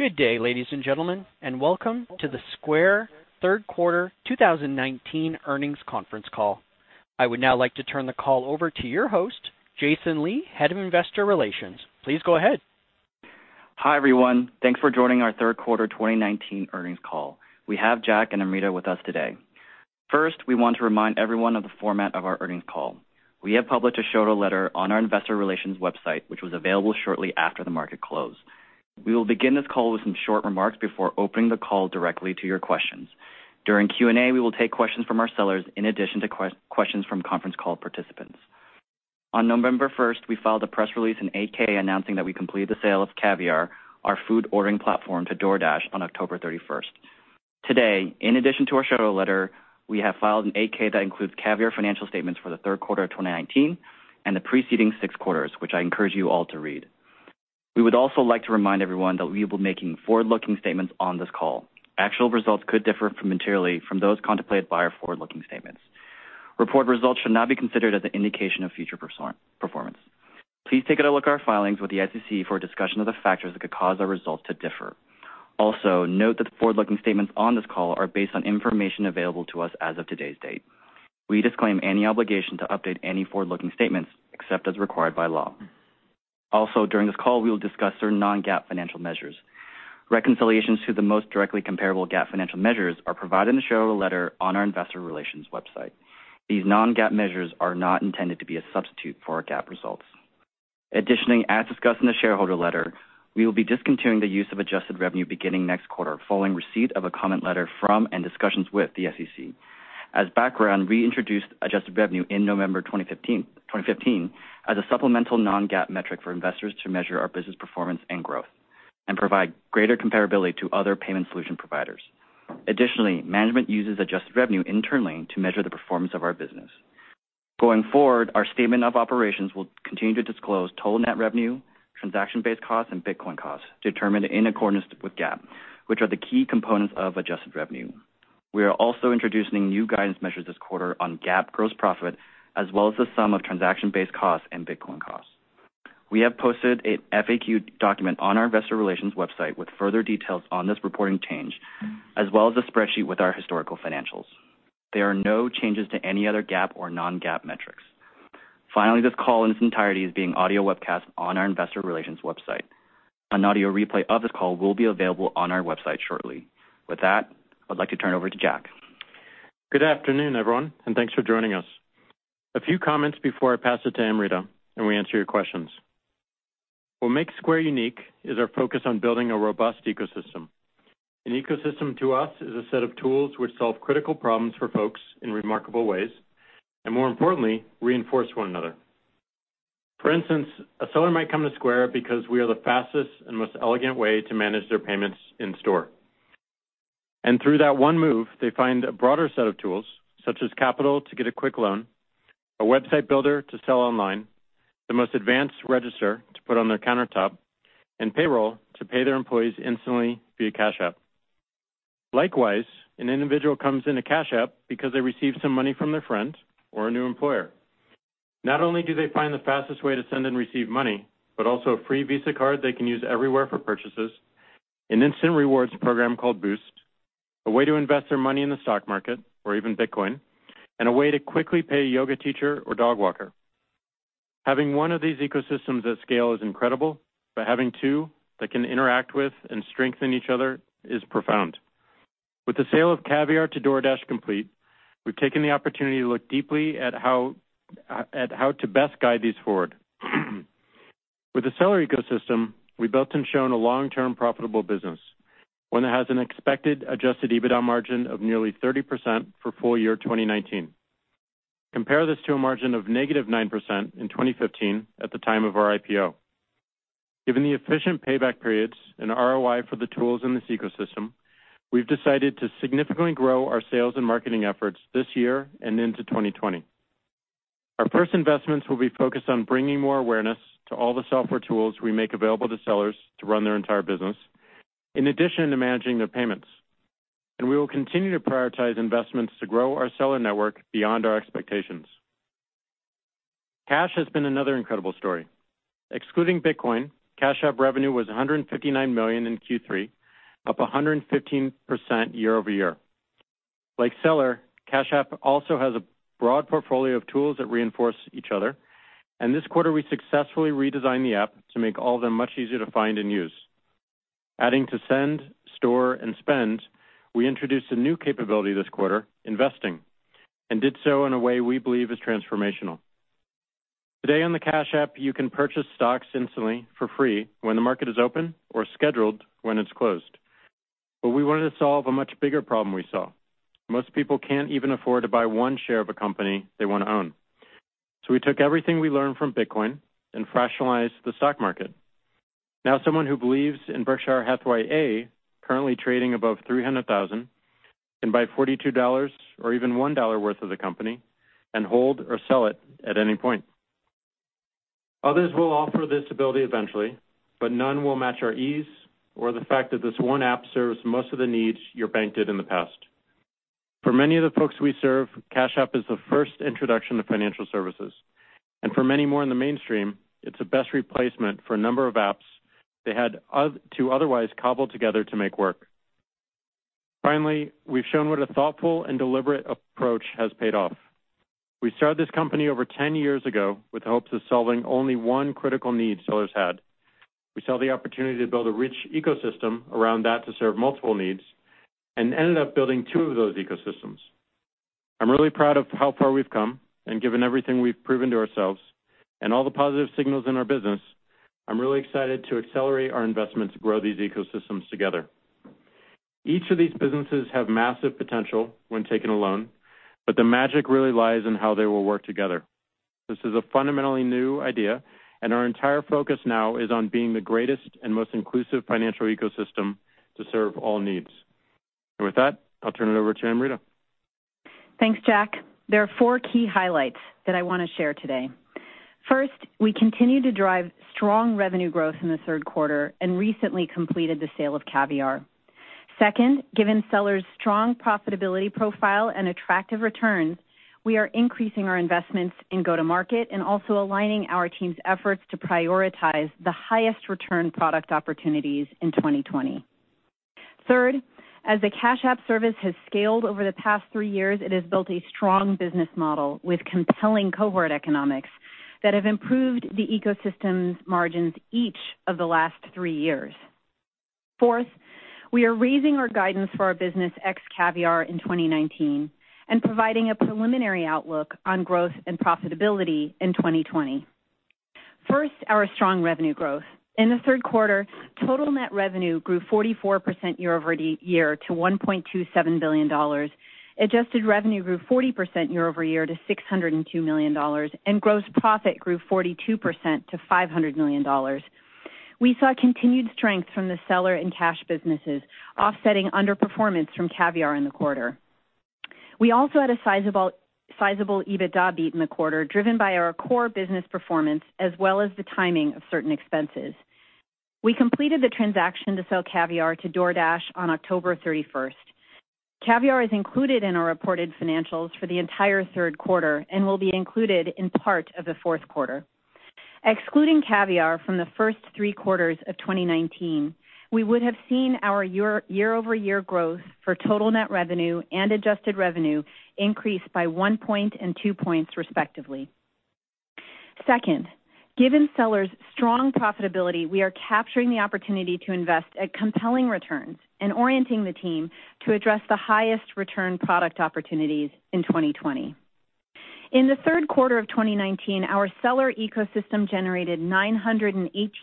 Good day, ladies and gentlemen, and welcome to the Square third quarter 2019 earnings conference call. I would now like to turn the call over to your host, Jason Lee, head of investor relations. Please go ahead. Hi, everyone. Thanks for joining our third quarter 2019 earnings call. We have Jack and Amrita with us today. First, we want to remind everyone of the format of our earnings call. We have published a shareholder letter on our investor relations website, which was available shortly after the market close. We will begin this call with some short remarks before opening the call directly to your questions. During Q&A, we will take questions from our sellers in addition to questions from conference call participants. On November 1st, we filed a press release, an 8-K, announcing that we completed the sale of Caviar, our food ordering platform, to DoorDash on October 31st. Today, in addition to our shareholder letter, we have filed an 8-K that includes Caviar financial statements for the third quarter of 2019 and the preceding six quarters, which I encourage you all to read. We would also like to remind everyone that we will be making forward-looking statements on this call. Actual results could differ materially from those contemplated by our forward-looking statements. Reported results should not be considered as an indication of future performance. Please take a look at our filings with the SEC for a discussion of the factors that could cause our results to differ. Note that the forward-looking statements on this call are based on information available to us as of today's date. We disclaim any obligation to update any forward-looking statements except as required by law. During this call, we will discuss certain non-GAAP financial measures. Reconciliations to the most directly comparable GAAP financial measures are provided in the shareholder letter on our investor relations website. These non-GAAP measures are not intended to be a substitute for our GAAP results. As discussed in the shareholder letter, we will be discontinuing the use of adjusted revenue beginning next quarter, following receipt of a comment letter from, and discussions with, the SEC. As background, we introduced adjusted revenue in November 2015 as a supplemental non-GAAP metric for investors to measure our business performance and growth and provide greater comparability to other payment solution providers. Management uses adjusted revenue internally to measure the performance of our business. Going forward, our statement of operations will continue to disclose total net revenue, transaction-based costs, and Bitcoin costs determined in accordance with GAAP, which are the key components of adjusted revenue. We are also introducing new guidance measures this quarter on GAAP gross profit, as well as the sum of transaction-based costs and Bitcoin costs. We have posted an FAQ document on our investor relations website with further details on this reporting change, as well as a spreadsheet with our historical financials. There are no changes to any other GAAP or non-GAAP metrics. Finally, this call in its entirety is being audio webcast on our investor relations website. An audio replay of this call will be available on our website shortly. With that, I'd like to turn it over to Jack. Good afternoon, everyone, and thanks for joining us. A few comments before I pass it to Amrita and we answer your questions. What makes Square unique is our focus on building a robust ecosystem. An ecosystem to us is a set of tools which solve critical problems for folks in remarkable ways, and more importantly, reinforce one another. For instance, a seller might come to Square because we are the fastest and most elegant way to manage their payments in store. Through that one move, they find a broader set of tools, such as Capital to get a quick loan, a website builder to sell online, the most advanced Register to put on their countertop, and payroll to pay their employees instantly via Cash App. Likewise, an individual comes into Cash App because they receive some money from their friend or a new employer. Not only do they find the fastest way to send and receive money, but also a free Visa Card they can use everywhere for purchases, an instant rewards program called Boost, a way to invest their money in the stock market or even Bitcoin, and a way to quickly pay a yoga teacher or dog walker. Having one of these ecosystems at scale is incredible, but having two that can interact with and strengthen each other is profound. With the sale of Caviar to DoorDash complete, we've taken the opportunity to look deeply at how to best guide these forward. With the seller ecosystem, we built and shown a long-term profitable business, one that has an expected adjusted EBITDA margin of nearly 30% for full year 2019. Compare this to a margin of -9% in 2015 at the time of our IPO. Given the efficient payback periods and ROI for the tools in this ecosystem, we've decided to significantly grow our sales and marketing efforts this year and into 2020. Our first investments will be focused on bringing more awareness to all the software tools we make available to Sellers to run their entire business, in addition to managing their payments. We will continue to prioritize investments to grow our Seller network beyond our expectations. Cash has been another incredible story. Excluding Bitcoin, Cash App revenue was $159 million in Q3, up 115% year-over-year. Like Seller, Cash App also has a broad portfolio of tools that reinforce each other, and this quarter we successfully redesigned the App to make all of them much easier to find and use. Adding to send, store, and spend, we introduced a new capability this quarter, investing, and did so in a way we believe is transformational. Today in the Cash App, you can purchase stocks instantly for free when the market is open or scheduled when it's closed. We wanted to solve a much bigger problem we saw. Most people can't even afford to buy one share of a company they want to own. We took everything we learned from Bitcoin and fractionalized the stock market. Now someone who believes in Berkshire Hathaway A, currently trading above $300,000, can buy $42 or even $1 worth of the company and hold or sell it at any point. Others will offer this ability eventually, but none will match our ease or the fact that this one App serves most of the needs your bank did in the past. For many of the folks we serve, Cash App is the first introduction to financial services. For many more in the mainstream, it's a best replacement for a number of apps they had to otherwise cobble together to make work. Finally, we've shown what a thoughtful and deliberate approach has paid off. We started this company over 10 years ago with hopes of solving only one critical need sellers had. We saw the opportunity to build a rich ecosystem around that to serve multiple needs and ended up building two of those ecosystems. I'm really proud of how far we've come, and given everything we've proven to ourselves and all the positive signals in our business, I'm really excited to accelerate our investment to grow these ecosystems together. Each of these businesses have massive potential when taken alone, but the magic really lies in how they will work together. This is a fundamentally new idea, and our entire focus now is on being the greatest and most inclusive financial ecosystem to serve all needs. With that, I'll turn it over to Amrita. Thanks, Jack. There are four key highlights that I want to share today. First, we continue to drive strong revenue growth in the third quarter and recently completed the sale of Caviar. Second, given sellers' strong profitability profile and attractive returns, we are increasing our investments in go-to-market and also aligning our team's efforts to prioritize the highest return product opportunities in 2020. Third, as the Cash App service has scaled over the past three years, it has built a strong business model with compelling cohort economics that have improved the ecosystem's margins each of the last three years. Fourth, we are raising our guidance for our business ex-Caviar in 2019 and providing a preliminary outlook on growth and profitability in 2020. First, our strong revenue growth. In the third quarter, total net revenue grew 44% year-over-year to $1.27 billion. Adjusted revenue grew 40% year-over-year to $602 million, and gross profit grew 42% to $500 million. We saw continued strength from the seller and cash businesses offsetting underperformance from Caviar in the quarter. We also had a sizable EBITDA beat in the quarter, driven by our core business performance as well as the timing of certain expenses. We completed the transaction to sell Caviar to DoorDash on October 31st. Caviar is included in our reported financials for the entire third quarter and will be included in part of the fourth quarter. Excluding Caviar from the first three quarters of 2019, we would have seen our year-over-year growth for total net revenue and adjusted revenue increase by one point and two points respectively. Given sellers' strong profitability, we are capturing the opportunity to invest at compelling returns and orienting the team to address the highest return product opportunities in 2020. In the third quarter of 2019, our seller ecosystem generated $918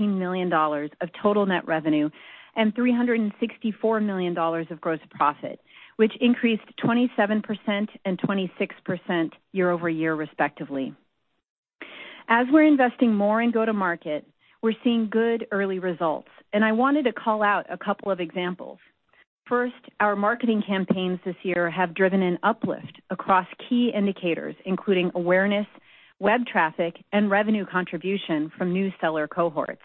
million of total net revenue and $364 million of gross profit, which increased 27% and 26% year-over-year respectively. We're investing more in go-to-market, we're seeing good early results, and I wanted to call out a couple of examples. Our marketing campaigns this year have driven an uplift across key indicators, including awareness, web traffic, and revenue contribution from new seller cohorts.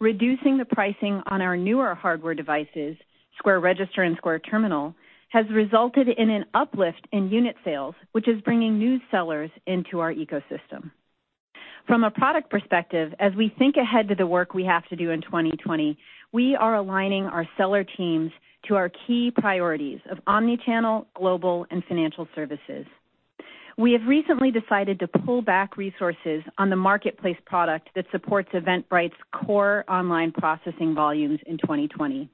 Reducing the pricing on our newer hardware devices, Square Register and Square Terminal, has resulted in an uplift in unit sales, which is bringing new sellers into our ecosystem. From a product perspective, as we think ahead to the work we have to do in 2020, we are aligning our seller teams to our key priorities of omni-channel, global, and financial services. We have recently decided to pull back resources on the marketplace product that supports Eventbrite's core online processing volumes in 2020.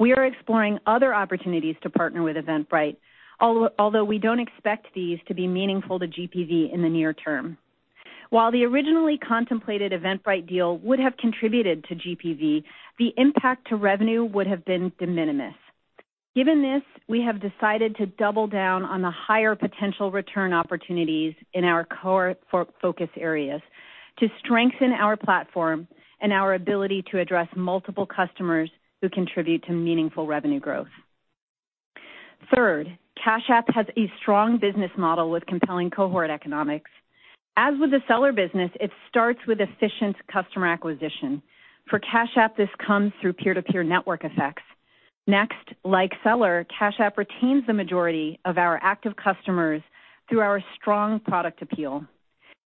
We are exploring other opportunities to partner with Eventbrite, although we don't expect these to be meaningful to GPV in the near term. While the originally contemplated Eventbrite deal would have contributed to GPV, the impact to revenue would have been de minimis. Given this, we have decided to double down on the higher potential return opportunities in our core focus areas to strengthen our platform and our ability to address multiple customers who contribute to meaningful revenue growth. Third, Cash App has a strong business model with compelling cohort economics. As with the seller business, it starts with efficient customer acquisition. For Cash App, this comes through peer-to-peer network effects. Next, like seller, Cash App retains the majority of our active customers through our strong product appeal.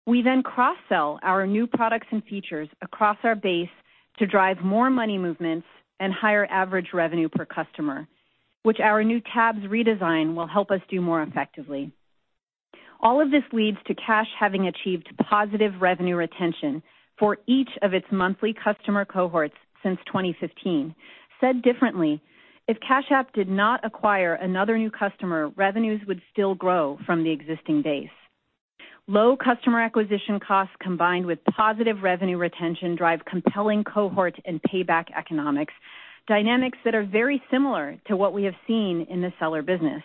We then cross-sell our new products and features across our base to drive more money movements and higher average revenue per customer, which our new tabs redesign will help us do more effectively. All of this leads to Cash having achieved positive revenue retention for each of its monthly customer cohorts since 2015. Said differently, if Cash App did not acquire another new customer, revenues would still grow from the existing base. Low customer acquisition costs combined with positive revenue retention drive compelling cohort and payback economics, dynamics that are very similar to what we have seen in the seller business.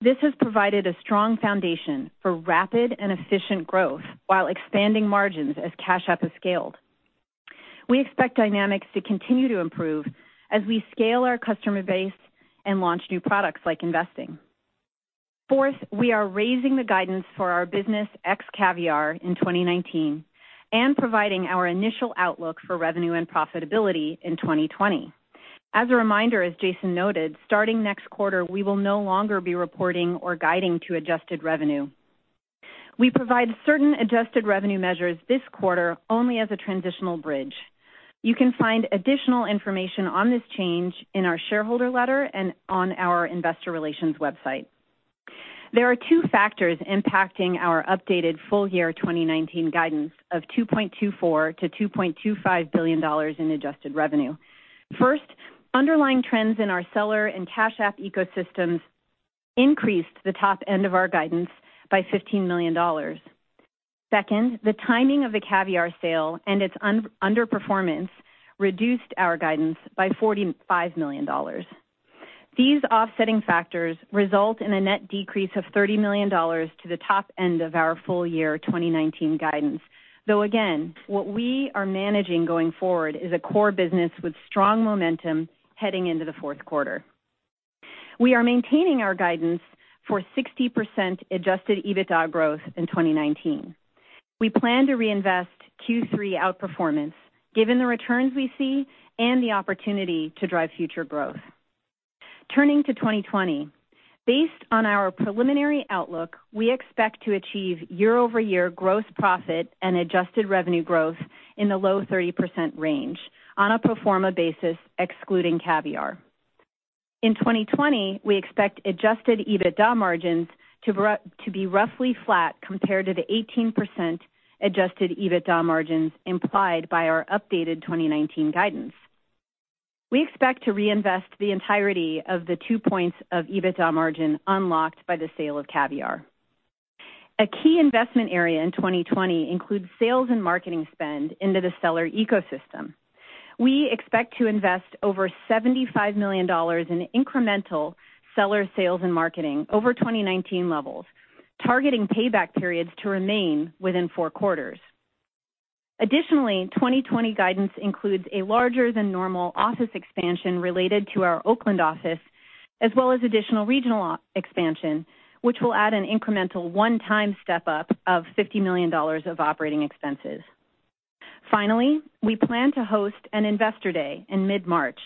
This has provided a strong foundation for rapid and efficient growth while expanding margins as Cash App has scaled. We expect dynamics to continue to improve as we scale our customer base and launch new products like investing. Fourth, we are raising the guidance for our business ex Caviar in 2019 and providing our initial outlook for revenue and profitability in 2020. As a reminder, as Jason noted, starting next quarter, we will no longer be reporting or guiding to adjusted revenue. We provide certain adjusted revenue measures this quarter only as a transitional bridge. You can find additional information on this change in our shareholder letter and on our investor relations website. There are two factors impacting our updated full year 2019 guidance of $2.24 billion-$2.25 billion in adjusted revenue. First, underlying trends in our seller and Cash App ecosystems increased the top end of our guidance by $15 million. Second, the timing of the Caviar sale and its underperformance reduced our guidance by $45 million. These offsetting factors result in a net decrease of $30 million to the top end of our full year 2019 guidance. Again, what we are managing going forward is a core business with strong momentum heading into the fourth quarter. We are maintaining our guidance for 60% adjusted EBITDA growth in 2019. We plan to reinvest Q3 outperformance given the returns we see and the opportunity to drive future growth. Turning to 2020, based on our preliminary outlook, we expect to achieve year-over-year gross profit and adjusted revenue growth in the low 30% range on a pro forma basis excluding Caviar. In 2020, we expect Adjusted EBITDA margins to be roughly flat compared to the 18% Adjusted EBITDA margins implied by our updated 2019 guidance. We expect to reinvest the entirety of the two points of EBITDA margin unlocked by the sale of Caviar. A key investment area in 2020 includes sales and marketing spend into the seller ecosystem. We expect to invest over $75 million in incremental seller sales and marketing over 2019 levels, targeting payback periods to remain within four quarters. Additionally, 2020 guidance includes a larger than normal office expansion related to our Oakland office, as well as additional regional expansion, which will add an incremental one-time step-up of $50 million of operating expenses. Finally, we plan to host an Investor Day in mid-March.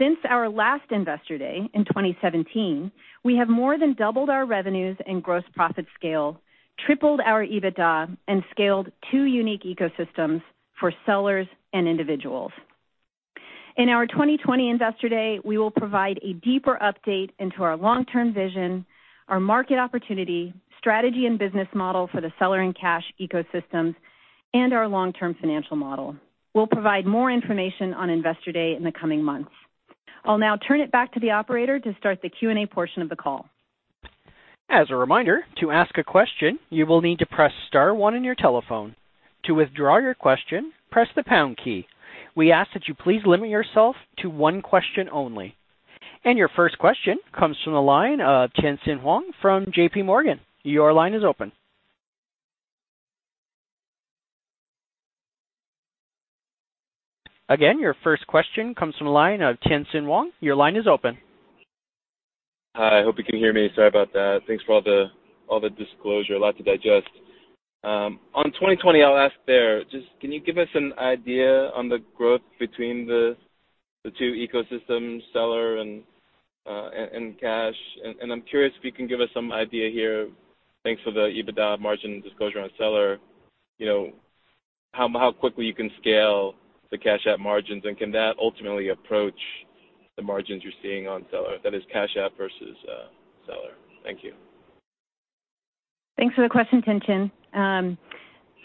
Since our last Investor Day in 2017, we have more than doubled our revenues and gross profit scale, tripled our EBITDA, and scaled two unique ecosystems for sellers and individuals. In our 2020 Investor Day, we will provide a deeper update into our long-term vision, our market opportunity, strategy and business model for the seller and Cash ecosystems, and our long-term financial model. We'll provide more information on Investor Day in the coming months. I'll now turn it back to the operator to start the Q&A portion of the call. As a reminder, to ask a question, you will need to press star one on your telephone. To withdraw your question, press the pound key. We ask that you please limit yourself to one question only. Your first question comes from the line of Tien-Tsin Huang from JPMorgan. Your line is open. Again, your first question comes from the line of Tien-Tsin Huang. Your line is open. Hi, hope you can hear me. Sorry about that. Thanks for all the disclosure. A lot to digest. On 2020, I'll ask there, just can you give us an idea on the growth between the two ecosystems, Seller and Cash App? I'm curious if you can give us some idea here, thanks to the EBITDA margin disclosure on Seller, how quickly you can scale the Cash App margins, and can that ultimately approach the margins you're seeing on Seller, that is Cash App versus Seller? Thank you. Thanks for the question, Tien-Tsin.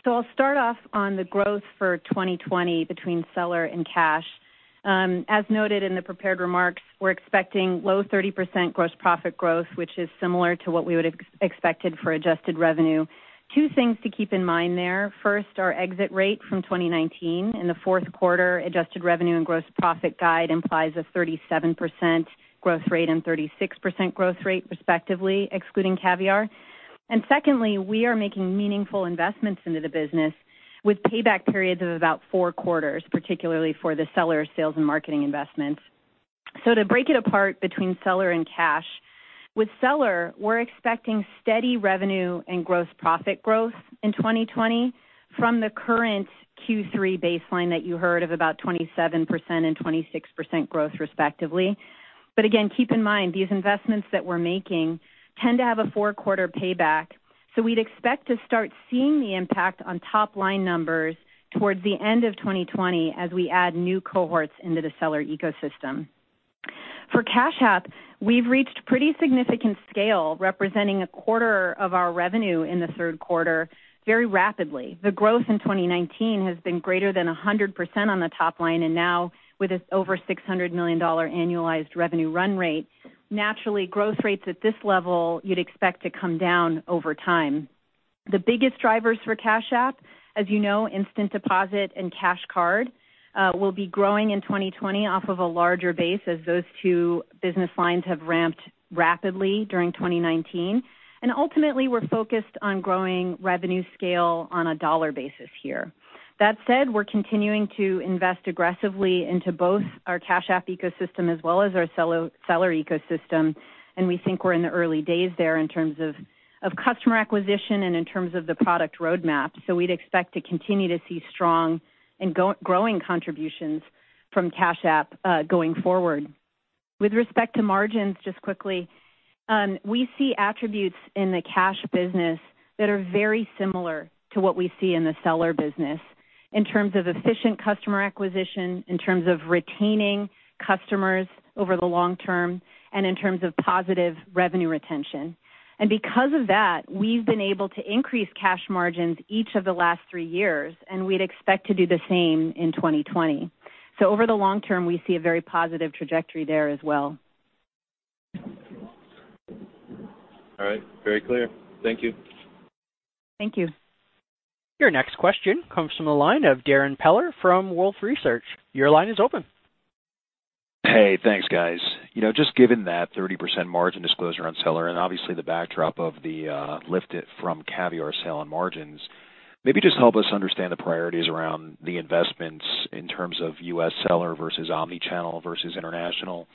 I'll start off on the growth for 2020 between Seller and Cash. As noted in the prepared remarks, we're expecting low 30% gross profit growth, which is similar to what we would expected for adjusted revenue. Two things to keep in mind there. First, our exit rate from 2019. In the fourth quarter, adjusted revenue and gross profit guide implies a 37% growth rate and 36% growth rate respectively, excluding Caviar. Secondly, we are making meaningful investments into the business with payback periods of about four quarters, particularly for the Seller sales and marketing investments. To break it apart between Seller and Cash, with Seller, we're expecting steady revenue and gross profit growth in 2020 from the current Q3 baseline that you heard of about 27% and 26% growth respectively. Again, keep in mind, these investments that we're making tend to have a four-quarter payback. We'd expect to start seeing the impact on top-line numbers towards the end of 2020 as we add new cohorts into the seller ecosystem. For Cash App, we've reached pretty significant scale, representing a quarter of our revenue in the third quarter very rapidly. The growth in 2019 has been greater than 100% on the top line, and now with this over $600 million annualized revenue run rate, naturally, growth rates at this level you'd expect to come down over time. The biggest drivers for Cash App, as you know, Instant Deposit and Cash Card will be growing in 2020 off of a larger base as those two business lines have ramped rapidly during 2019. Ultimately, we're focused on growing revenue scale on a dollar basis here. That said, we're continuing to invest aggressively into both our Cash App ecosystem as well as our seller ecosystem, we think we're in the early days there in terms of customer acquisition and in terms of the product roadmap. We'd expect to continue to see strong and growing contributions from Cash App, going forward. With respect to margins, just quickly, we see attributes in the cash business that are very similar to what we see in the seller business in terms of efficient customer acquisition, in terms of retaining customers over the long term, and in terms of positive revenue retention. Because of that, we've been able to increase cash margins each of the last three years, and we'd expect to do the same in 2020. Over the long term, we see a very positive trajectory there as well. All right. Very clear. Thank you. Thank you. Your next question comes from the line of Darrin Peller from Wolfe Research. Your line is open. Hey, thanks guys. Just given that 30% margin disclosure on Seller and obviously the backdrop of the lift from Caviar sale on margins, maybe just help us understand the priorities around the investments in terms of U.S. Seller versus omni-channel versus international.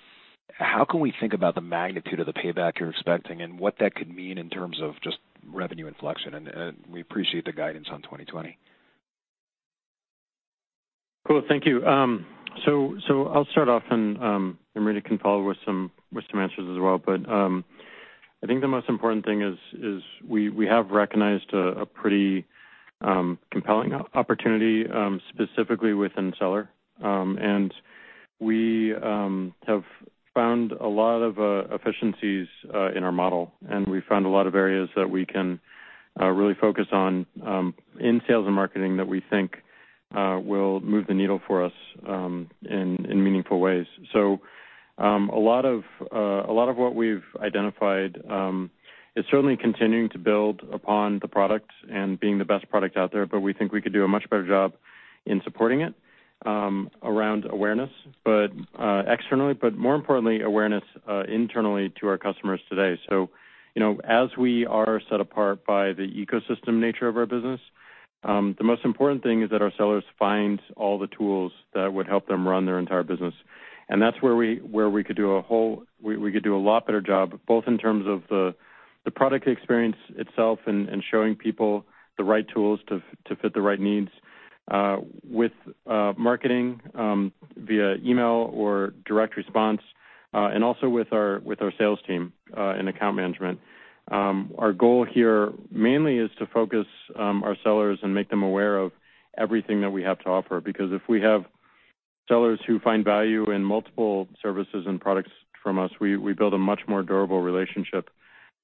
How can we think about the magnitude of the payback you're expecting and what that could mean in terms of just revenue inflection? We appreciate the guidance on 2020. Cool, thank you. I'll start off, and Amrita can follow with some answers as well. I think the most important thing is we have recognized a pretty compelling opportunity, specifically within seller. We have found a lot of efficiencies in our model, and we've found a lot of areas that we can really focus on in sales and marketing that we think will move the needle for us in meaningful ways. A lot of what we've identified is certainly continuing to build upon the product and being the best product out there. We think we could do a much better job in supporting it around awareness externally, but more importantly, awareness internally to our customers today. As we are set apart by the ecosystem nature of our business, the most important thing is that our sellers find all the tools that would help them run their entire business. That's where we could do a lot better job, both in terms of the product experience itself and showing people the right tools to fit the right needs, with marketing via email or direct response, and also with our sales team in account management. Our goal here mainly is to focus our sellers and make them aware of everything that we have to offer, because if we have sellers who find value in multiple services and products from us, we build a much more durable relationship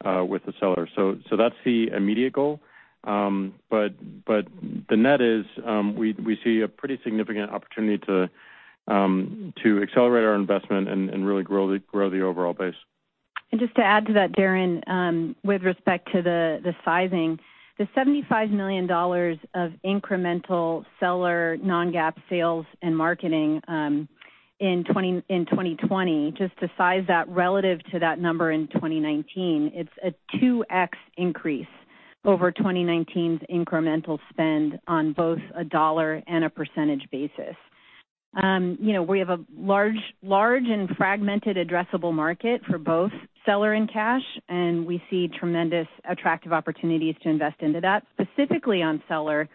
with the seller. That's the immediate goal. The net is, we see a pretty significant opportunity to accelerate our investment and really grow the overall base. Just to add to that, Darrin, with respect to the sizing, the $75 million of incremental seller non-GAAP sales and marketing, in 2020, just to size that relative to that number in 2019, it's a 2x increase over 2019's incremental spend on both a dollar and a percentage basis. We have a large and fragmented addressable market for both seller and Cash App, and we see tremendous attractive opportunities to invest into that. Specifically on seller,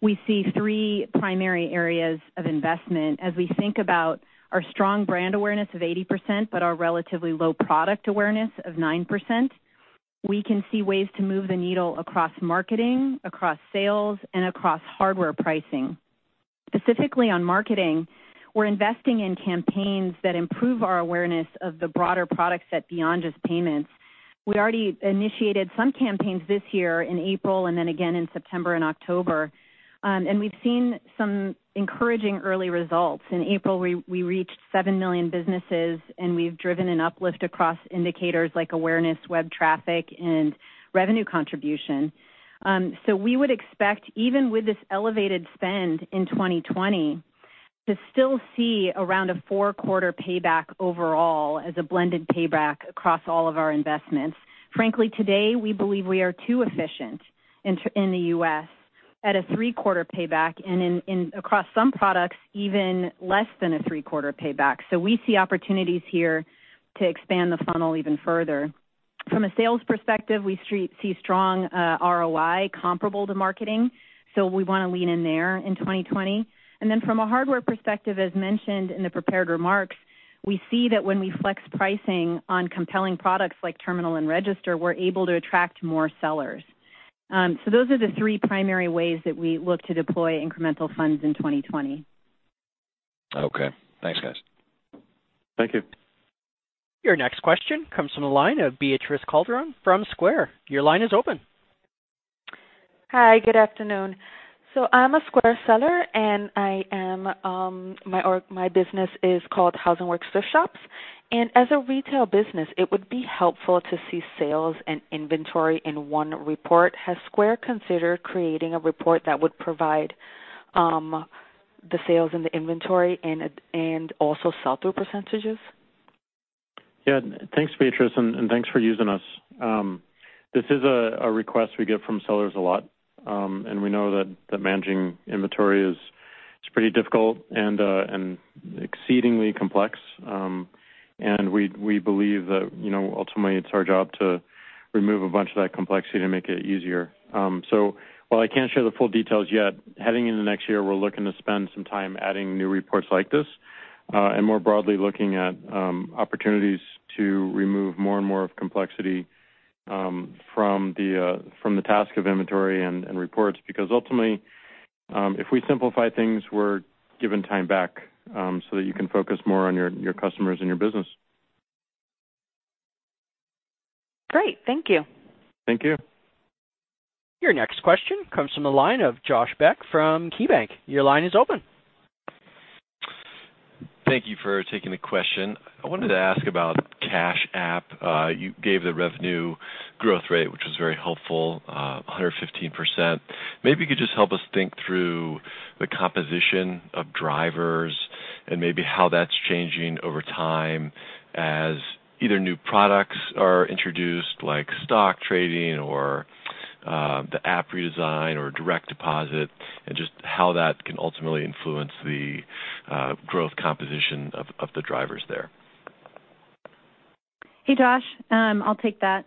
we see three primary areas of investment. As we think about our strong brand awareness of 80%, but our relatively low product awareness of 9%, we can see ways to move the needle across marketing, across sales, and across hardware pricing. Specifically on marketing, we're investing in campaigns that improve our awareness of the broader product set beyond just payments. We already initiated some campaigns this year in April and then again in September and October. We've seen some encouraging early results. In April, we reached 7 million businesses, and we've driven an uplift across indicators like awareness, web traffic, and revenue contribution. We would expect, even with this elevated spend in 2020, to still see around a 4-quarter payback overall as a blended payback across all of our investments. Frankly, today, we believe we are too efficient in the U.S. at a 3-quarter payback and across some products, even less than a 3-quarter payback. We see opportunities here to expand the funnel even further. From a sales perspective, we see strong ROI comparable to marketing, so we want to lean in there in 2020. From a hardware perspective, as mentioned in the prepared remarks, we see that when we flex pricing on compelling products like Terminal and Register, we're able to attract more sellers. Those are the three primary ways that we look to deploy incremental funds in 2020. Okay, thanks guys. Thank you. Your next question comes from the line of Beatriz Calderon from Square. Your line is open. Hi, good afternoon. I'm a Square seller, and my business is called House and Work Thrift Shops. As a retail business, it would be helpful to see sales and inventory in one report. Has Square considered creating a report that would provide the sales and the inventory and also sell-through percentages? Thanks, Beatriz, and thanks for using us. This is a request we get from sellers a lot, and we know that managing inventory is pretty difficult and exceedingly complex. We believe that ultimately it's our job to remove a bunch of that complexity to make it easier. While I can't share the full details yet, heading into next year, we're looking to spend some time adding new reports like this, and more broadly, looking at opportunities to remove more and more of complexity from the task of inventory and reports. Ultimately, if we simplify things, we're given time back so that you can focus more on your customers and your business. Great. Thank you. Thank you. Your next question comes from the line of Josh Beck from KeyBanc. Your line is open. Thank you for taking the question. I wanted to ask about Cash App. You gave the revenue growth rate, which was very helpful, 115%. Maybe you could just help us think through the composition of drivers and maybe how that's changing over time as either new products are introduced, like stock trading or the app redesign or direct deposit, and just how that can ultimately influence the growth composition of the drivers there. Hey, Josh. I'll take that.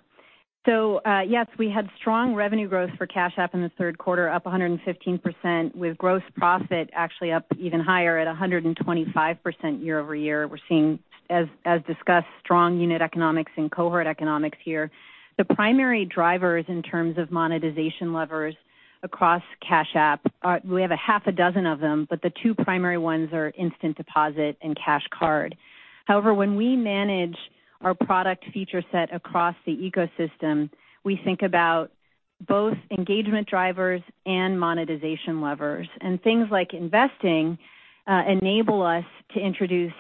Yes, we had strong revenue growth for Cash App in the third quarter, up 115%, with gross profit actually up even higher at 125% year-over-year. We're seeing, as discussed, strong unit economics and cohort economics here. The primary drivers in terms of monetization levers across Cash App are. We have a half a dozen of them, but the two primary ones are Instant Deposit and Cash Card. However, when we manage our product feature set across the ecosystem, we think about both engagement drivers and monetization levers. Things like investing enable us to introduce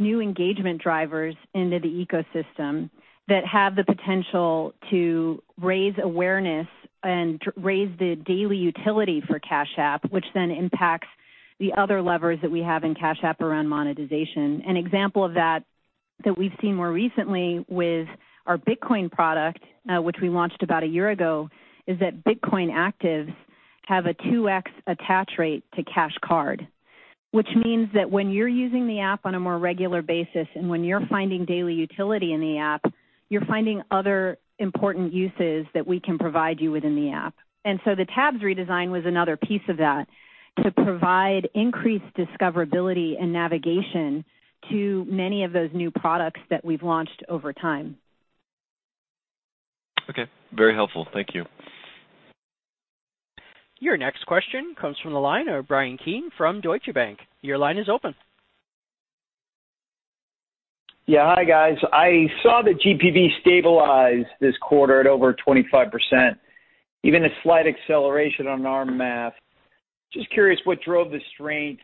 new engagement drivers into the ecosystem that have the potential to raise awareness and raise the daily utility for Cash App, which then impacts the other levers that we have in Cash App around monetization. An example of that that we've seen more recently with our Bitcoin product, which we launched about a year ago, is that Bitcoin actives have a 2x attach rate to Cash Card, which means that when you're using the app on a more regular basis and when you're finding daily utility in the app, you're finding other important uses that we can provide you within the app. The tabs redesign was another piece of that to provide increased discoverability and navigation to many of those new products that we've launched over time. Okay. Very helpful. Thank you. Your next question comes from the line of Bryan Keane from Deutsche Bank. Your line is open. Yeah. Hi, guys. I saw that GPV stabilized this quarter at over 25%, even a slight acceleration on our math. Just curious what drove the strength,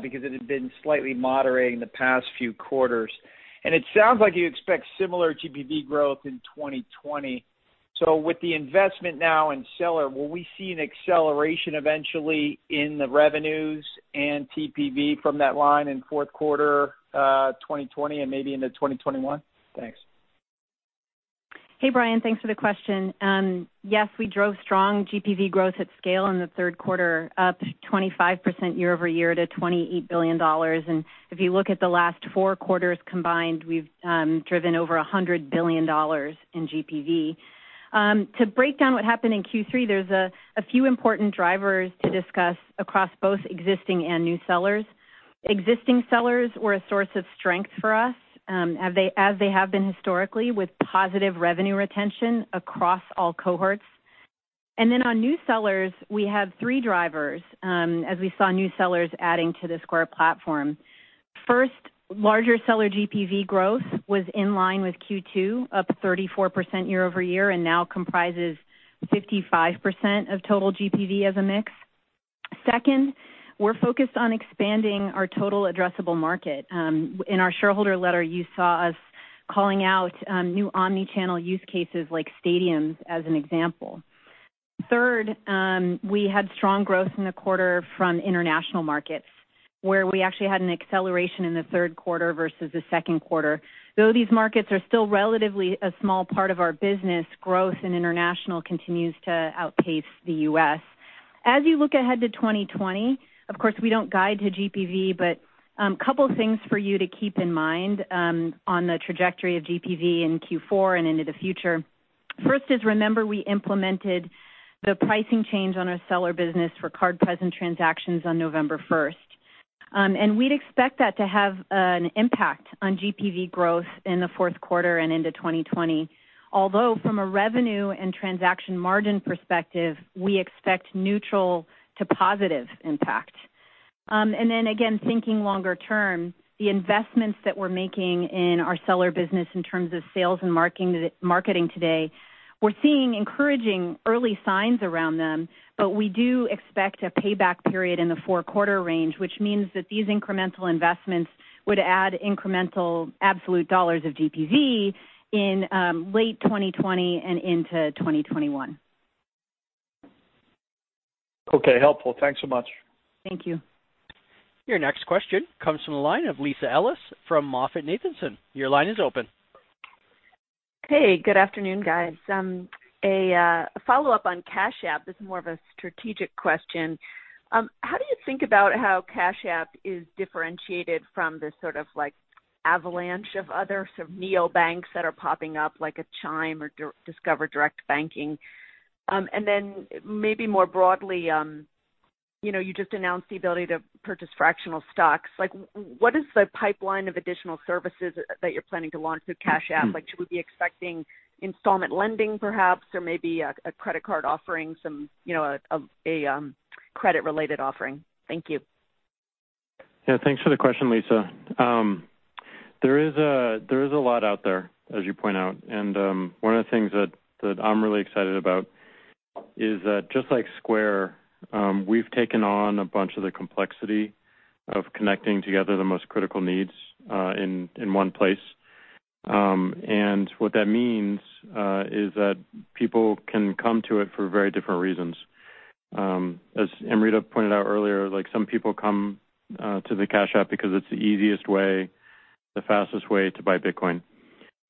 because it had been slightly moderating the past few quarters. It sounds like you expect similar GPV growth in 2020. With the investment now in Seller, will we see an acceleration eventually in the revenues and TPV from that line in fourth quarter 2020 and maybe into 2021? Thanks. Hey, Bryan. Thanks for the question. Yes, we drove strong GPV growth at scale in the third quarter, up 25% year-over-year to $28 billion. If you look at the last four quarters combined, we've driven over $100 billion in GPV. To break down what happened in Q3, there's a few important drivers to discuss across both existing and new sellers. Existing sellers were a source of strength for us, as they have been historically, with positive revenue retention across all cohorts. On new sellers, we have three drivers as we saw new sellers adding to the Square platform. First, larger seller GPV growth was in line with Q2, up 34% year-over-year, and now comprises 55% of total GPV as a mix. Second, we're focused on expanding our total addressable market. In our shareholder letter, you saw us calling out new omni-channel use cases like stadiums as an example. Third, we had strong growth in the quarter from international markets, where we actually had an acceleration in the third quarter versus the second quarter. Though these markets are still relatively a small part of our business, growth in international continues to outpace the U.S. As you look ahead to 2020, of course, we don't guide to GPV, couple of things for you to keep in mind on the trajectory of GPV in Q4 and into the future. First is, remember, we implemented the pricing change on our seller business for card-present transactions on November first. We'd expect that to have an impact on GPV growth in the fourth quarter and into 2020. Although from a revenue and transaction margin perspective, we expect neutral to positive impact. Again, thinking longer term, the investments that we're making in our seller business in terms of sales and marketing today, we're seeing encouraging early signs around them, we do expect a payback period in the four-quarter range, which means that these incremental investments would add incremental absolute dollars of GPV in late 2020 and into 2021. Okay, helpful. Thanks so much. Thank you. Your next question comes from the line of Lisa Ellis from MoffettNathanson. Your line is open. Hey, good afternoon, guys. A follow-up on Cash App. This is more of a strategic question. How do you think about how Cash App is differentiated from this sort of avalanche of other sort of neobanks that are popping up, like a Chime or Discover direct banking? Maybe more broadly, you just announced the ability to purchase fractional stocks. What is the pipeline of additional services that you're planning to launch with Cash App? Should we be expecting installment lending perhaps, or maybe a credit card offering, a credit related offering? Thank you. Thanks for the question, Lisa. There is a lot out there, as you point out. One of the things that I'm really excited about is that just like Square, we've taken on a bunch of the complexity of connecting together the most critical needs in one place. What that means is that people can come to it for very different reasons. As Amrita pointed out earlier, some people come to the Cash App because it's the easiest way, the fastest way to buy Bitcoin.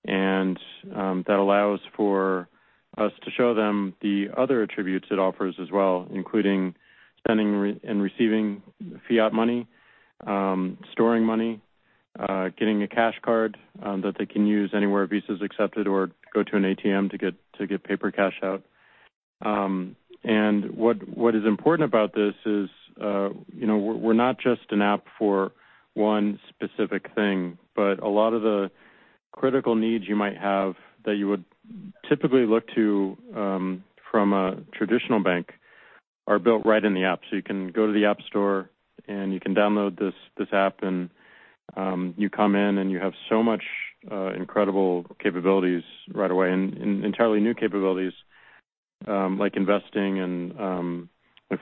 That allows for us to show them the other attributes it offers as well, including sending and receiving fiat money, storing money, getting a Cash Card that they can use anywhere Visa's accepted, or go to an ATM to get paper cash out. What is important about this is we're not just an app for one specific thing, but a lot of the critical needs you might have that you would typically look to from a traditional bank are built right in the app. You can go to the App Store, and you can download this app, and you come in, and you have so much incredible capabilities right away, and entirely new capabilities, like investing in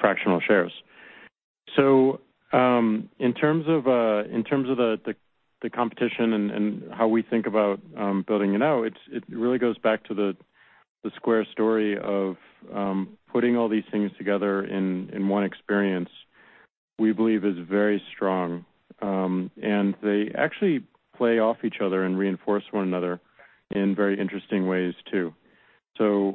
fractional shares. In terms of the competition and how we think about building it out, it really goes back to the Square story of putting all these things together in one experience we believe is very strong. They actually play off each other and reinforce one another in very interesting ways, too.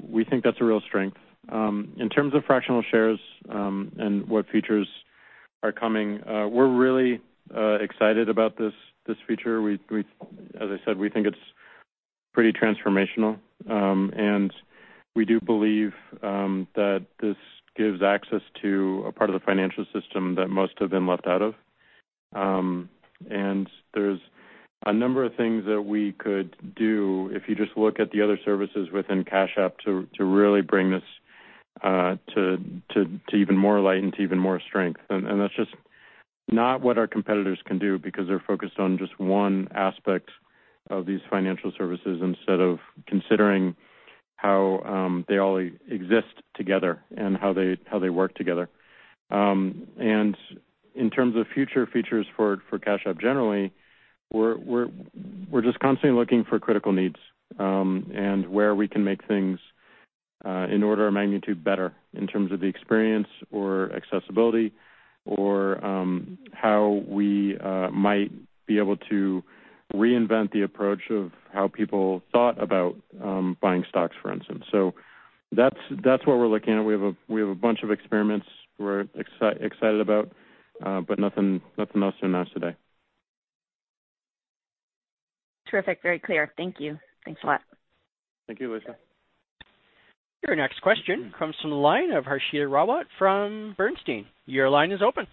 We think that's a real strength. In terms of fractional shares, and what features are coming, we're really excited about this feature. As I said, we think it's pretty transformational. We do believe that this gives access to a part of the financial system that most have been left out of. There's a number of things that we could do if you just look at the other services within Cash App to really bring this to even more light and to even more strength. That's just not what our competitors can do because they're focused on just one aspect of these financial services instead of considering how they all exist together and how they work together. In terms of future features for Cash App, generally, we're just constantly looking for critical needs, and where we can make things an order of magnitude better in terms of the experience or accessibility. How we might be able to reinvent the approach of how people thought about buying stocks, for instance. That's what we're looking at. We have a bunch of experiments we're excited about. Nothing else to announce today. Terrific. Very clear. Thank you. Thanks a lot. Thank you, Lisa. Your next question comes from the line of Harshita Rawat from Bernstein. Your line is open.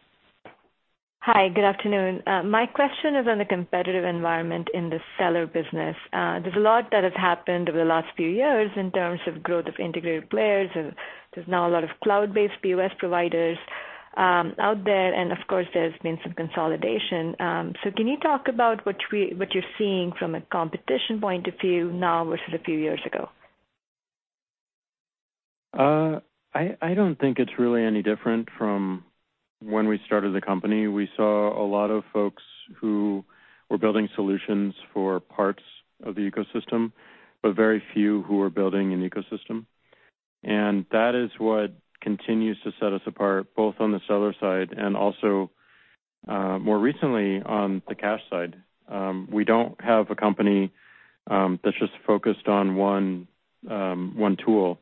Hi. Good afternoon. My question is on the competitive environment in the Seller business. There's a lot that has happened over the last few years in terms of growth of integrated players, and there's now a lot of cloud-based POS providers out there, and of course, there's been some consolidation. Can you talk about what you're seeing from a competition point of view now versus a few years ago? I don't think it's really any different from when we started the company. We saw a lot of folks who were building solutions for parts of the ecosystem, but very few who were building an ecosystem. That is what continues to set us apart, both on the Seller side and also more recently on the Cash side. We don't have a company that's just focused on one tool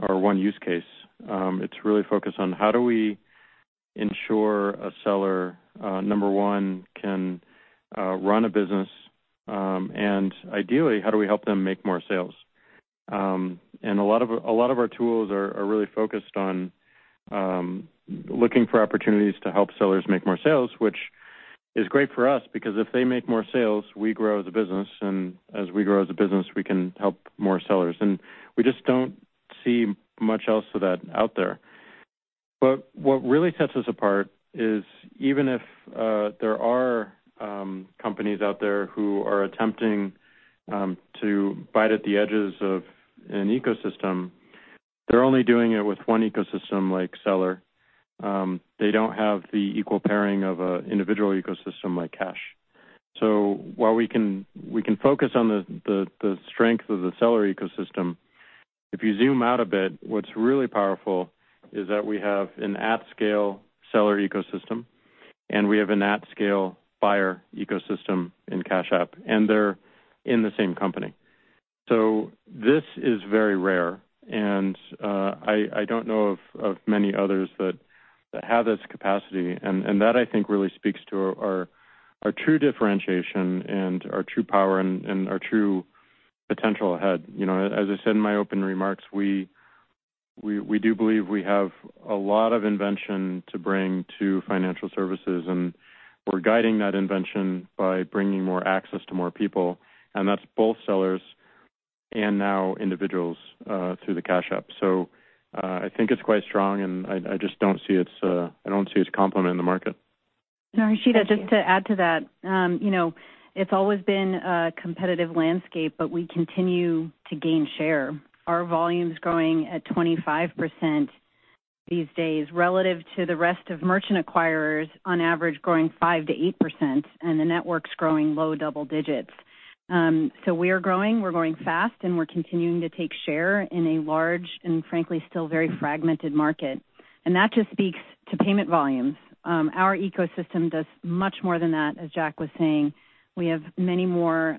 or one use case. It's really focused on how do we ensure a seller, number one, can run a business, and ideally, how do we help them make more sales? A lot of our tools are really focused on looking for opportunities to help sellers make more sales, which is great for us because if they make more sales, we grow as a business, and as we grow as a business, we can help more sellers. We just don't see much else to that out there. What really sets us apart is even if there are companies out there who are attempting to bite at the edges of an ecosystem, they're only doing it with one ecosystem like Seller. They don't have the equal pairing of an individual ecosystem like Cash. While we can focus on the strength of the seller ecosystem, if you zoom out a bit, what's really powerful is that we have an at-scale seller ecosystem, and we have an at-scale buyer ecosystem in Cash App, and they're in the same company. This is very rare, and I don't know of many others that have this capacity, and that, I think, really speaks to our true differentiation and our true power and our true potential ahead. As I said in my opening remarks, we do believe we have a lot of invention to bring to financial services. We're guiding that invention by bringing more access to more people, and that's both sellers and now individuals through the Cash App. I think it's quite strong, and I don't see its complement in the market. Harshita, just to add to that. It's always been a competitive landscape, but we continue to gain share. Our volume's growing at 25% these days, relative to the rest of merchant acquirers, on average, growing 5%-8%, and the network's growing low double digits. We are growing, we're growing fast, and we're continuing to take share in a large and frankly, still very fragmented market. That just speaks to payment volumes. Our ecosystem does much more than that, as Jack was saying. We have many more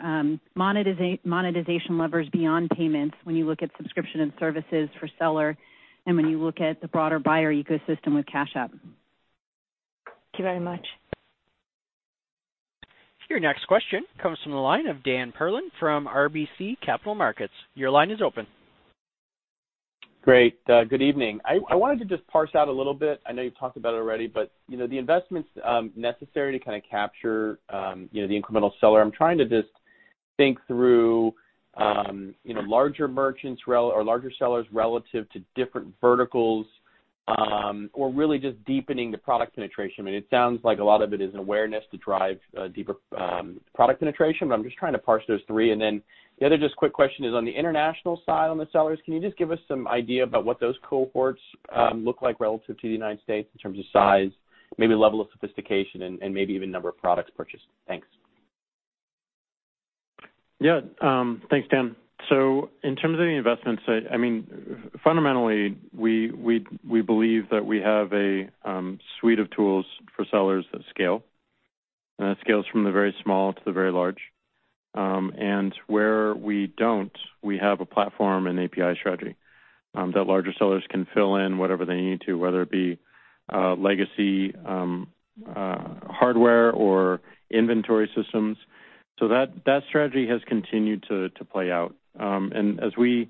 monetization levers beyond payments when you look at subscription and services for seller and when you look at the broader buyer ecosystem with Cash App. Thank you very much. Your next question comes from the line of Dan Perlin from RBC Capital Markets. Your line is open. Great. Good evening. I wanted to just parse out a little bit. I know you've talked about it already, but the investments necessary to capture the incremental seller. I'm trying to just think through larger merchants or larger sellers relative to different verticals or really just deepening the product penetration. It sounds like a lot of it is awareness to drive deeper product penetration, but I'm just trying to parse those three. Then the other just quick question is on the international side, on the sellers, can you just give us some idea about what those cohorts look like relative to the United States in terms of size, maybe level of sophistication, and maybe even number of products purchased? Thanks. Thanks, Dan. In terms of the investments, fundamentally, we believe that we have a suite of tools for sellers that scale. That scales from the very small to the very large. Where we don't, we have a platform and API strategy that larger sellers can fill in whatever they need to, whether it be legacy hardware or inventory systems. That strategy has continued to play out. As we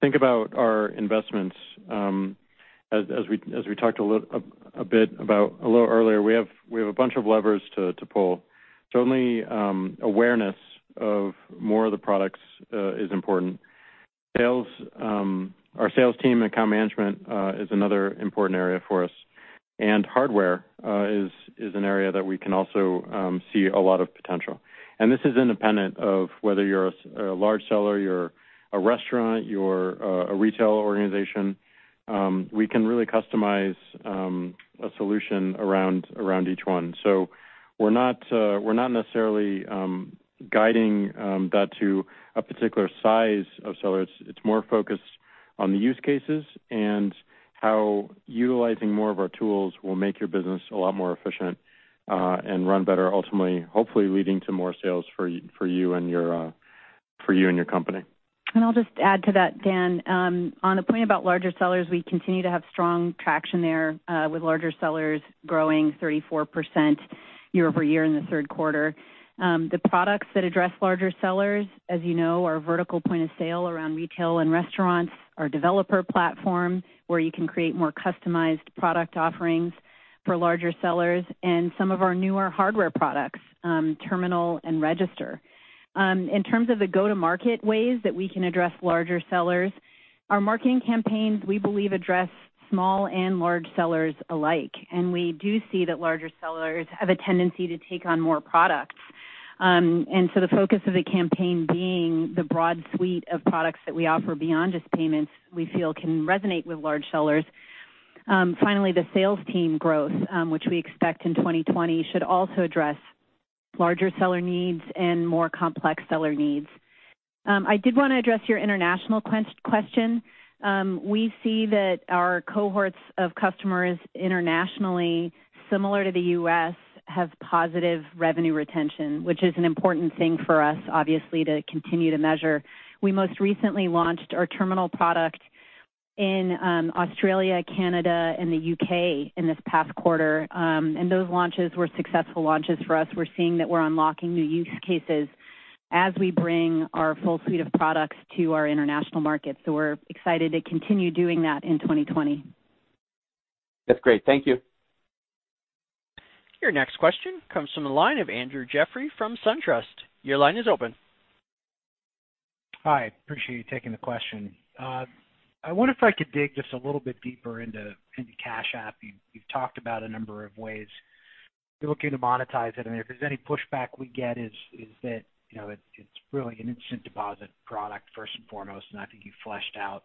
think about our investments, as we talked a bit about a little earlier, we have a bunch of levers to pull. Certainly, awareness of more of the products is important. Our sales team and account management is another important area for us. Hardware is an area that we can also see a lot of potential. This is independent of whether you're a large seller, you're a restaurant, you're a retail organization. We can really customize a solution around each one. We're not necessarily guiding that to a particular size of sellers. It's more focused on the use cases and how utilizing more of our tools will make your business a lot more efficient and run better, ultimately, hopefully leading to more sales for you and your company. I'll just add to that, Dan. On the point about larger sellers, we continue to have strong traction there, with larger sellers growing 34% year-over-year in the third quarter. The products that address larger sellers, as you know, are vertical point-of-sale around retail and restaurants, our developer platform, where you can create more customized product offerings for larger sellers, and some of our newer hardware products, Terminal and Register. In terms of the go-to-market ways that we can address larger sellers, our marketing campaigns, we believe, address small and large sellers alike, and we do see that larger sellers have a tendency to take on more products. So the focus of the campaign being the broad suite of products that we offer beyond just payments, we feel can resonate with large sellers. The sales team growth, which we expect in 2020, should also address larger seller needs and more complex seller needs. I did want to address your international question. We see that our cohorts of customers internationally, similar to the U.S., have positive revenue retention, which is an important thing for us, obviously, to continue to measure. We most recently launched our Terminal product in Australia, Canada, and the U.K. in this past quarter. Those launches were successful launches for us. We're seeing that we're unlocking new use cases as we bring our full suite of products to our international markets. We're excited to continue doing that in 2020. That's great. Thank you. Your next question comes from the line of Andrew Jeffrey from SunTrust. Your line is open. Hi. Appreciate you taking the question. I wonder if I could dig just a little bit deeper into Cash App. You've talked about a number of ways you're looking to monetize it, and if there's any pushback we get is that it's really an Instant Deposit product first and foremost, and I think you fleshed out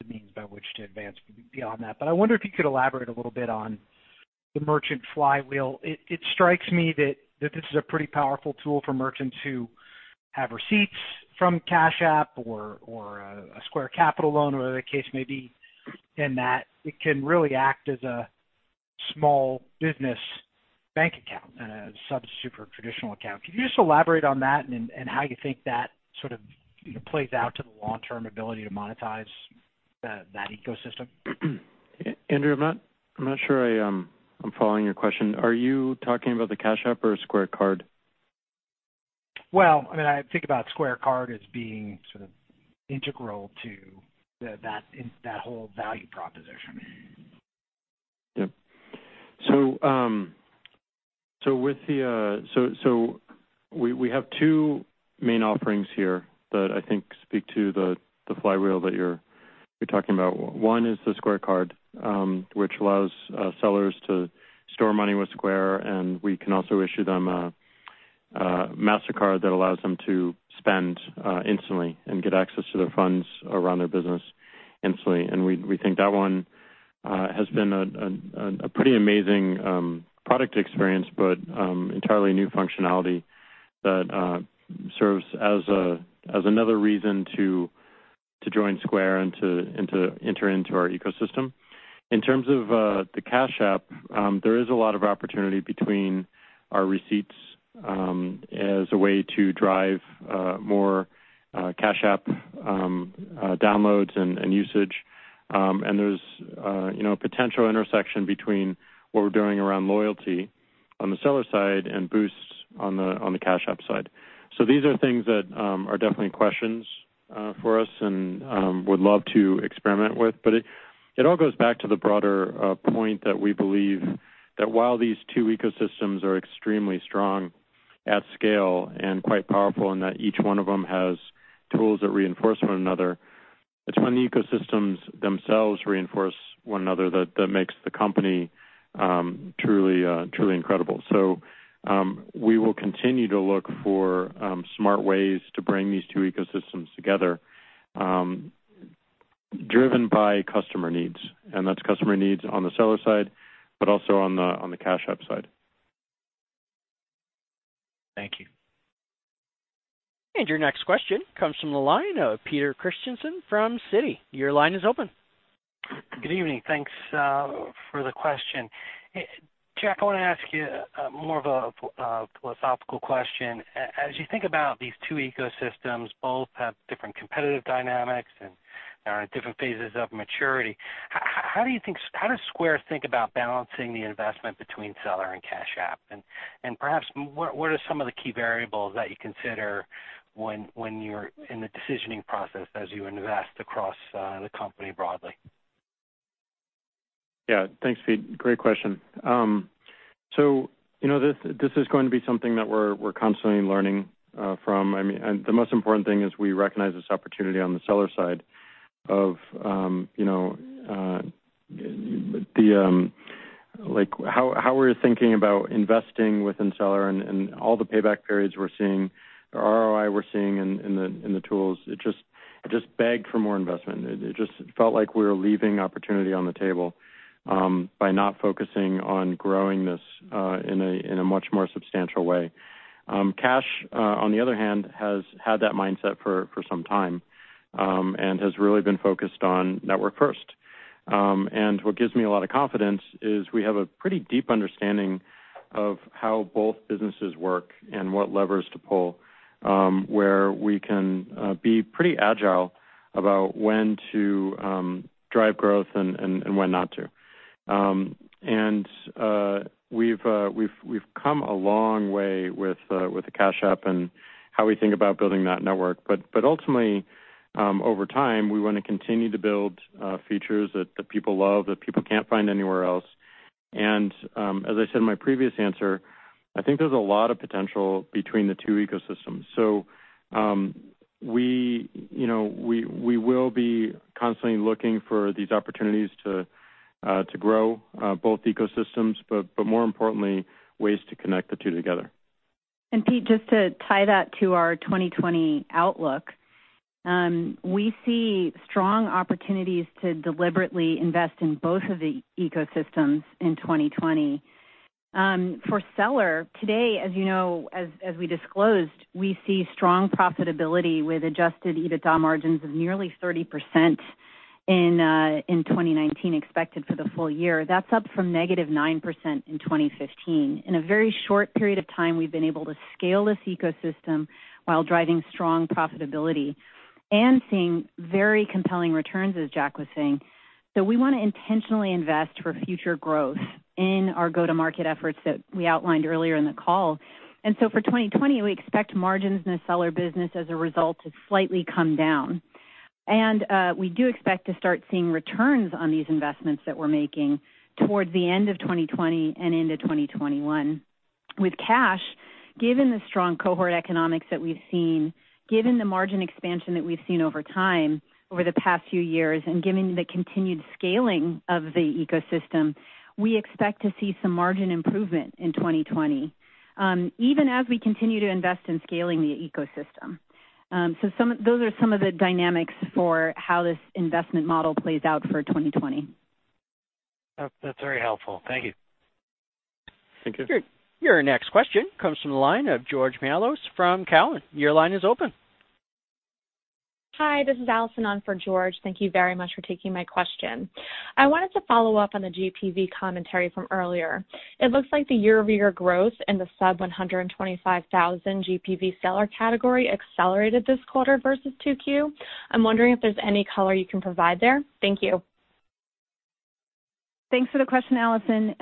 the means by which to advance beyond that. I wonder if you could elaborate a little bit on the merchant flywheel. It strikes me that this is a pretty powerful tool for merchants who have receipts from Cash App or a Square Capital loan or whatever the case may be, and that it can really act as a small business bank account and a substitute for a traditional account. Could you just elaborate on that and how you think that sort of plays out to the long-term ability to monetize that ecosystem? Andrew, I'm not sure I'm following your question. Are you talking about the Cash App or Square Card? Well, I think about Square Card as being sort of integral to that whole value proposition. Yep. We have two main offerings here that I think speak to the flywheel that you're talking about. One is the Square Card, which allows sellers to store money with Square, and we can also issue them a Mastercard that allows them to spend instantly and get access to their funds around their business instantly. We think that one has been a pretty amazing product experience, but entirely new functionality that serves as another reason to join Square and to enter into our ecosystem. In terms of the Cash App, there is a lot of opportunity between our receipts as a way to drive more Cash App downloads and usage. There's a potential intersection between what we're doing around loyalty on the seller side and Boosts on the Cash App side. These are things that are definitely questions for us and would love to experiment with. It all goes back to the broader point that we believe that while these two ecosystems are extremely strong at scale and quite powerful, and that each one of them has tools that reinforce one another, it's when the ecosystems themselves reinforce one another that makes the company truly incredible. We will continue to look for smart ways to bring these two ecosystems together, driven by customer needs, and that's customer needs on the seller side, but also on the Cash App side. Thank you. Your next question comes from the line of Peter Christiansen from Citi. Your line is open. Good evening. Thanks for the question. Jack, I want to ask you more of a philosophical question. As you think about these two ecosystems, both have different competitive dynamics and are in different phases of maturity. How does Square think about balancing the investment between Seller and Cash App? Perhaps what are some of the key variables that you consider when you're in the decisioning process as you invest across the company broadly? Yeah, thanks, Peter. Great question. This is going to be something that we're constantly learning from. The most important thing is we recognize this opportunity on the Seller side of how we're thinking about investing within Seller and all the payback periods we're seeing, the ROI we're seeing in the tools. It just begged for more investment. It just felt like we were leaving opportunity on the table by not focusing on growing this in a much more substantial way. Cash, on the other hand, has had that mindset for some time, and has really been focused on network first. What gives me a lot of confidence is we have a pretty deep understanding of how both businesses work and what levers to pull, where we can be pretty agile about when to drive growth and when not to. We've come a long way with the Cash App and how we think about building that network. Ultimately, over time, we want to continue to build features that people love, that people can't find anywhere else. As I said in my previous answer, I think there's a lot of potential between the two ecosystems. We will be constantly looking for these opportunities to grow both ecosystems, but more importantly, ways to connect the two together. Pete, just to tie that to our 2020 outlook, we see strong opportunities to deliberately invest in both of the ecosystems in 2020. For Seller, today, as you know, as we disclosed, we see strong profitability with Adjusted EBITDA margins of nearly 30% in 2019 expected for the full year. That's up from negative 9% in 2015. In a very short period of time, we've been able to scale this ecosystem while driving strong profitability and seeing very compelling returns, as Jack was saying. For 2020, we expect margins in the seller business as a result to slightly come down. We do expect to start seeing returns on these investments that we're making towards the end of 2020 and into 2021. With Cash, given the strong cohort economics that we've seen, given the margin expansion that we've seen over time over the past few years, and given the continued scaling of the ecosystem, we expect to see some margin improvement in 2020, even as we continue to invest in scaling the ecosystem. Those are some of the dynamics for how this investment model plays out for 2020. That's very helpful. Thank you. Thank you. Your next question comes from the line of George Mihalos from Cowen. Your line is open. Hi, this is Allison on for George. Thank you very much for taking my question. I wanted to follow up on the GPV commentary from earlier. It looks like the year-over-year growth in the sub $125,000 GPV seller category accelerated this quarter versus 2Q. I'm wondering if there's any color you can provide there. Thank you. Thanks for the question, Allison.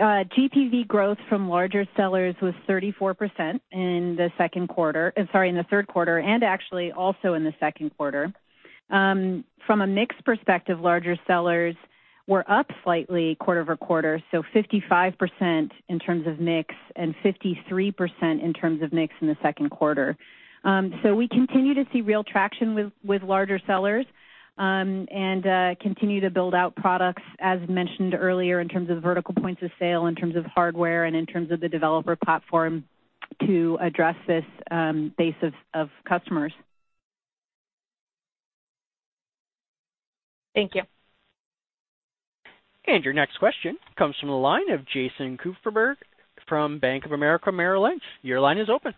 GPV growth from larger sellers was 34% in the third quarter and actually also in the second quarter. From a mix perspective, larger sellers were up slightly quarter-over-quarter, so 55% in terms of mix and 53% in terms of mix in the second quarter. We continue to see real traction with larger sellers, and continue to build out products as mentioned earlier in terms of vertical points of sale, in terms of hardware, and in terms of the developer platform to address this base of customers. Thank you. Your next question comes from the line of Jason Kupferberg from Bank of America Merrill Lynch. Your line is open.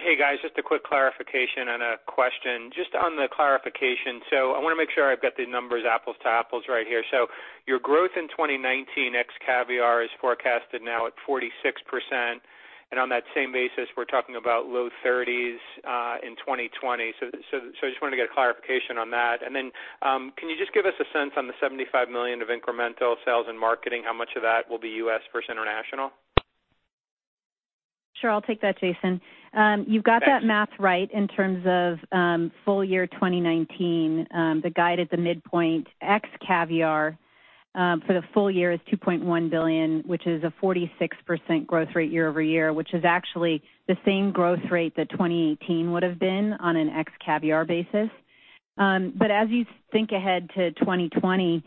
Hey, guys. Just a quick clarification and a question. Just on the clarification, I want to make sure I've got the numbers apples to apples right here. Your growth in 2019 ex Caviar is forecasted now at 46%, and on that same basis, we're talking about low thirties in 2020. I just wanted to get a clarification on that. Can you just give us a sense on the $75 million of incremental sales and marketing, how much of that will be U.S. versus international? Sure. I'll take that, Jason. You've got that math right in terms of full year 2019. The guide at the midpoint ex Caviar for the full year is $2.1 billion, which is a 46% growth rate year-over-year, which is actually the same growth rate that 2018 would have been on an ex Caviar basis. As you think ahead to 2020,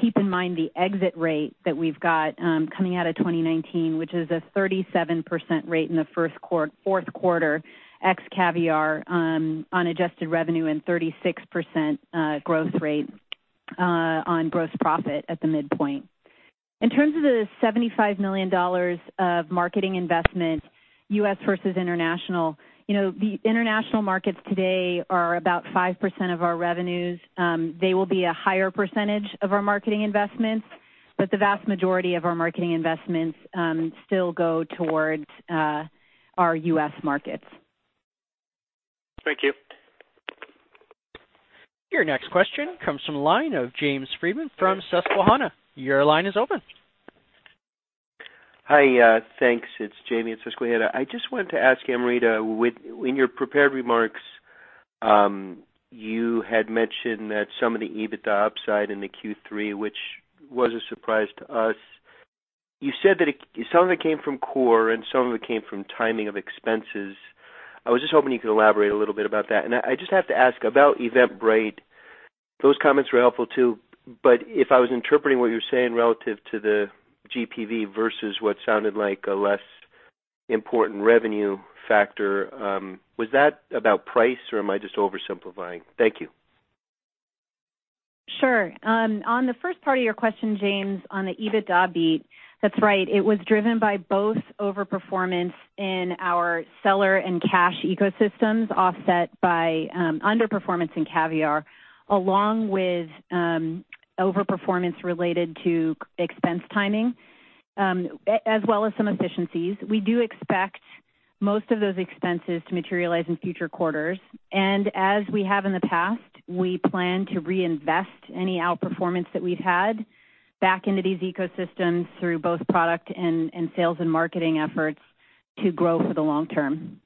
keep in mind the exit rate that we've got coming out of 2019, which is a 37% rate in the fourth quarter, ex Caviar, on adjusted revenue and 36% growth rate on gross profit at the midpoint. In terms of the $75 million of marketing investment, U.S. versus international, the international markets today are about 5% of our revenues. They will be a higher percentage of our marketing investments, but the vast majority of our marketing investments still go towards our U.S. markets. Thank you. Your next question comes from the line of James Friedman from Susquehanna. Your line is open. Hi, thanks. It's Jamie at Susquehanna. I just wanted to ask Amrita, within your prepared remarks, you had mentioned that some of the EBITDA upside in the Q3, which was a surprise to us. You said that some of it came from core and some of it came from timing of expenses. I was just hoping you could elaborate a little bit about that. I just have to ask about Eventbrite. Those comments were helpful too, but if I was interpreting what you were saying relative to the GPV versus what sounded like a less important revenue factor, was that about price, or am I just oversimplifying? Thank you. Sure. On the first part of your question, James, on the EBITDA beat, that's right. It was driven by both over-performance in our seller and Cash ecosystems, offset by under-performance in Caviar, along with over-performance related to expense timing, as well as some efficiencies. We do expect most of those expenses to materialize in future quarters. As we have in the past, we plan to reinvest any outperformance that we've had back into these ecosystems through both product and sales and marketing efforts to grow for the long term.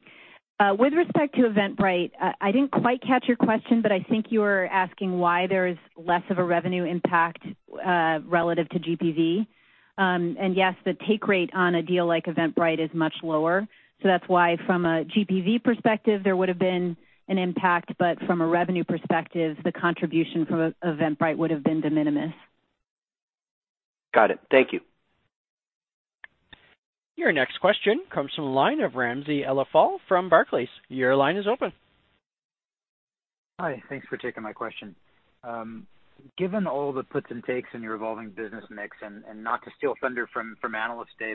With respect to Eventbrite, I didn't quite catch your question, but I think you were asking why there is less of a revenue impact, relative to GPV. Yes, the take rate on a deal like Eventbrite is much lower. That's why from a GPV perspective, there would've been an impact, but from a revenue perspective, the contribution from Eventbrite would've been de minimis. Got it. Thank you. Your next question comes from the line of Ramsey El-Assal from Barclays. Your line is open. Hi. Thanks for taking my question. Given all the puts and takes in your evolving business mix, not to steal thunder from Analyst Day,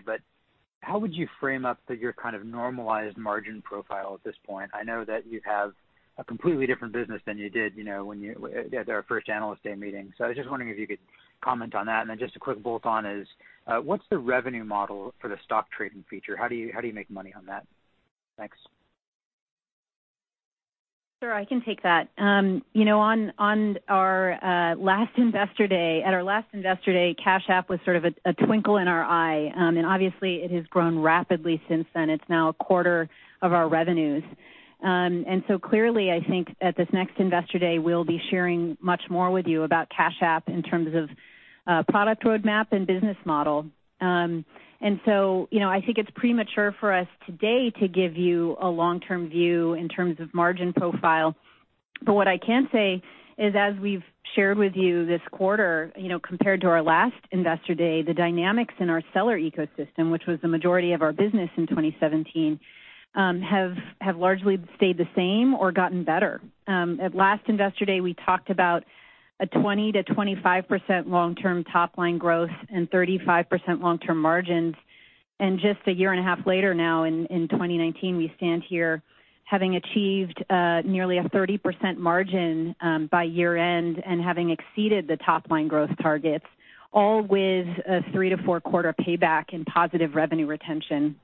how would you frame up your kind of normalized margin profile at this point? I know that you have a completely different business than you did at our first Analyst Day meeting. I was just wondering if you could comment on that. Just a quick bolt-on is, what's the revenue model for the stock trading feature? How do you make money on that? Thanks. Sure. I can take that. At our last Investor Day, Cash App was sort of a twinkle in our eye. Obviously, it has grown rapidly since then. It's now a quarter of our revenues. Clearly, I think at this next Investor Day, we'll be sharing much more with you about Cash App in terms of product roadmap and business model. I think it's premature for us today to give you a long-term view in terms of margin profile. What I can say is, as we've shared with you this quarter, compared to our last Investor Day, the dynamics in our seller ecosystem, which was the majority of our business in 2017, have largely stayed the same or gotten better. At last Investor Day, we talked about a 20%-25% long-term top-line growth and 35% long-term margins. Just a year and a half later now in 2019, we stand here having achieved nearly a 30% margin by year-end and having exceeded the top-line growth targets, all with a three to four quarter payback and positive revenue retention.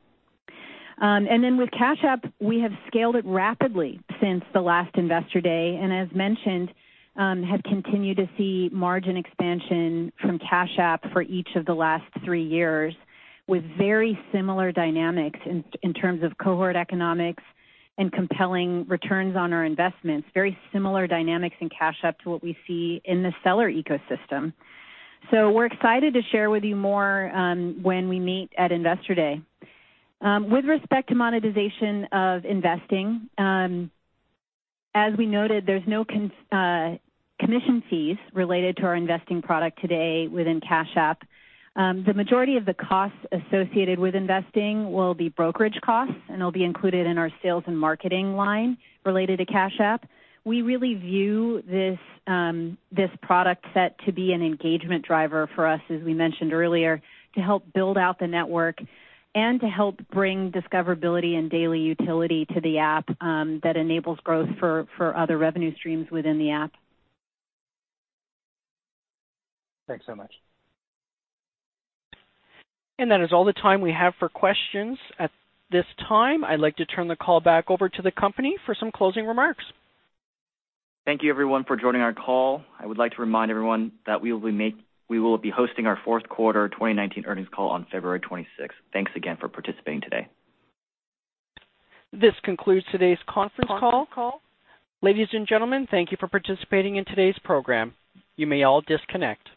With Cash App, we have scaled it rapidly since the last Investor Day, and as mentioned, have continued to see margin expansion from Cash App for each of the last three years, with very similar dynamics in terms of cohort economics and compelling returns on our investments, very similar dynamics in Cash App to what we see in the seller ecosystem. We're excited to share with you more when we meet at Investor Day. With respect to monetization of investing, as we noted, there's no commission fees related to our investing product today within Cash App. The majority of the costs associated with investing will be brokerage costs, and they'll be included in our sales and marketing line related to Cash App. We really view this product set to be an engagement driver for us, as we mentioned earlier, to help build out the network and to help bring discoverability and daily utility to the app that enables growth for other revenue streams within the app. Thanks so much. That is all the time we have for questions at this time. I'd like to turn the call back over to the company for some closing remarks. Thank you everyone for joining our call. I would like to remind everyone that we will be hosting our fourth quarter 2019 earnings call on February 26th. Thanks again for participating today. This concludes today's conference call. Ladies and gentlemen, thank you for participating in today's program. You may all disconnect.